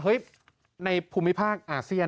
ในภูมิภาคอาเซียน